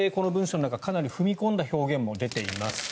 この文書の中かなり踏み込んだ表現も出ています。